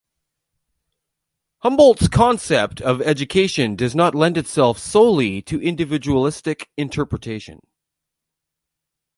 Humboldt's concept of education does not lend itself solely to individualistic interpretation.